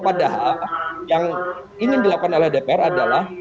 padahal yang ingin dilakukan oleh dpr adalah